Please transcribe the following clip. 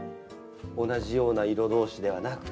同じような色同士ではなくて。